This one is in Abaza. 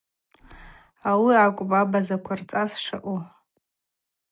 Ауи акӏвпӏ абазаква рцӏас шаъу.